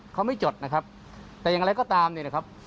เขาไม่จดนะครับแต่อย่างไรก็ตามเนี่ยนะครับ